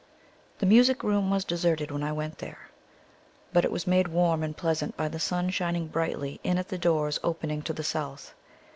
The music room was deserted when I went there; but it was made warm and pleasant by the sun shining brightly in at the doors opening to the south.